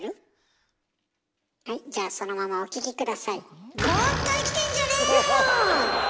はいじゃあそのままお聞き下さい。